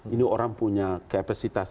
ini orang punya kapasitas